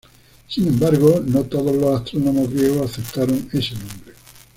Sin embargo, no todos los astrónomos griegos aceptaron ese nombre.